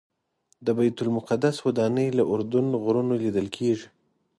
د بیت المقدس ودانۍ له اردن غرونو لیدل کېږي.